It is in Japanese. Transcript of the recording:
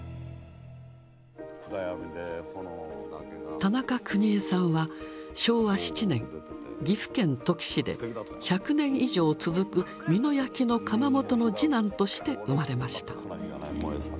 田中邦衛さんは昭和７年岐阜県土岐市で１００年以上続く美濃焼の窯元の次男として生まれました。